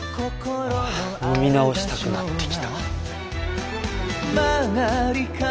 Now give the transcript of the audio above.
飲み直したくなってきた。